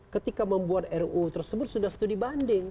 ketika membuat ruu tersebut sudah studi banding